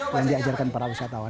yang diajarkan para wisatawan